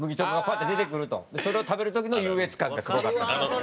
それを食べる時の優越感がすごかったです。